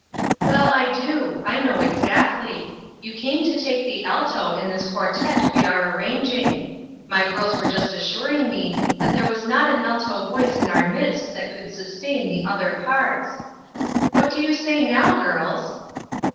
" Well, I do. I know exactly. You came to take the alto in this quartette we are ar ranging. My girls were just assuring me that there was not an alto voice in our midst that could sustain the other parts. What do you say now, girls?"